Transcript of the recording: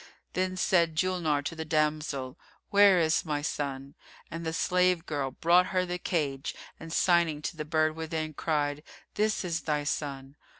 Then said Julnar to the damsel, "Where is my son?" And the slave girl brought her the cage and signing to the bird within, cried, "This is thy son."